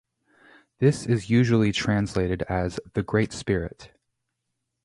This is usually translated as "The Great Spirit".